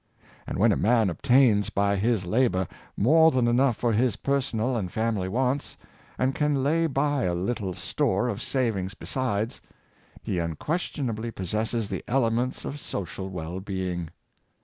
And when a man obtains by his labor more than enough for his personal and family wants, and can lay by a little store of savings be sides, he unquestionably possesses the elements of social well being.